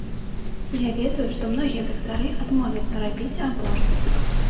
Я ведаю, што многія дактары адмовяцца рабіць аборт.